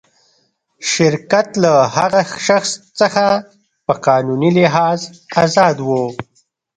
شرکت له هغه شخص څخه په قانوني لحاظ آزاد و.